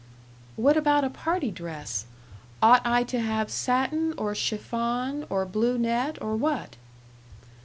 "What about a party dress? Ought I to have satin, or chiffon, or blue net, or what?"